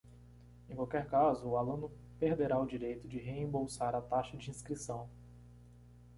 Em qualquer caso, o aluno perderá o direito de reembolsar a taxa de inscrição.